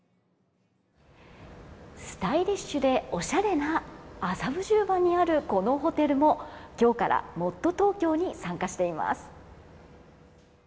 スタイリッシュでおしゃれな麻布十番にあるこのホテルも今日から、もっとＴｏｋｙｏに参加しています。